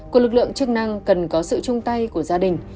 của lực lượng chức năng cần có sự chung tay của gia đình